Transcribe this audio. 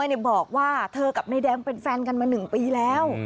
ต่อกับนายแดงแฟนกันมา๑ปีแล้ว